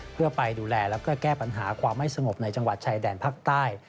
เพื่อไปดูแลแล้วก็แก้ปัญหาความไม่สงบในจังหวัดชายแดนภาคใต้